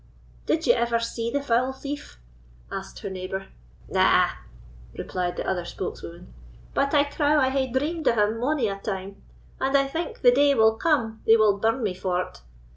"Did ye ever see the foul thief?" asked her neighbour. "Na!" replied the other spokeswoman; "but I trow I hae dreamed of him mony a time, and I think the day will come they will burn me for't.